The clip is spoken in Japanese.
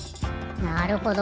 なるほど。